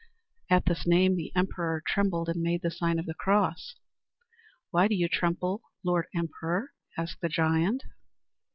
At this name the emperor trembled and made the sign of the cross. "Why do you tremble, Lord Emperor?" asked the giant.